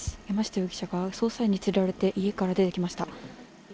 山下容疑者が捜査員に連れられて、家から出てきました。